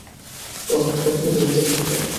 ওহ, okay, দেখতে থাকো।